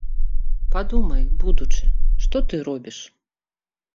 Падумай, будучы, што ты робіш?